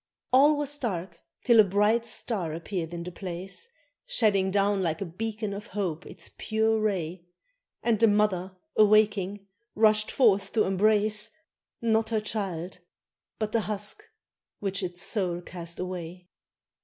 All was dark till a bright star appeared in the place, Shedding down like a beacon of hope its pure ray, And the mother awaking, rushed forth to embrace Not her child but the husk which its soul cast away.